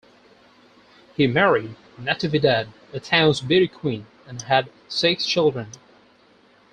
He married Natividad, a town's beauty queen and had six children.